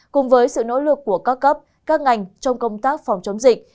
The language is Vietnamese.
cùng với sự nỗ lực của các cấp các ngành trong công tác phòng chống dịch